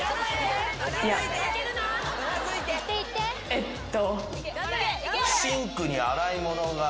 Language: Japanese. えっと。